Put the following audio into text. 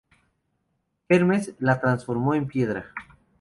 Hermes la transformó en piedra.